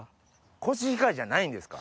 コシヒカリじゃないんですか？